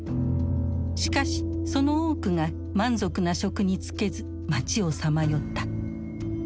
しかしその多くが満足な職に就けず街をさまよった。